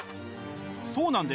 そうなんです。